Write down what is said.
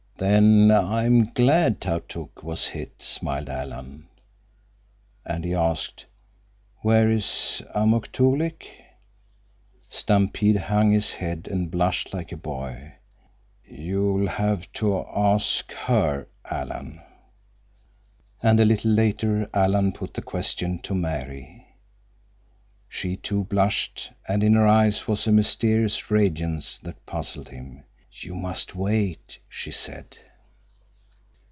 "Then—I am glad Tautuk was hit," smiled Alan. And he asked, "Where is Amuk Toolik?" Stampede hung his head and blushed like a boy. "You'll have to ask her, Alan." And a little later Alan put the question to Mary. She, too, blushed, and in her eyes was a mysterious radiance that puzzled him. "You must wait," she said.